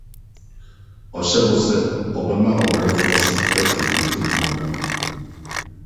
Ɔhyɛ bɔ sɛ ‘ ɔbɛma ɔbrɛfo so afi mfutuma mu. ’